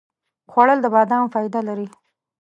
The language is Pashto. خوړل د بادامو فایده لري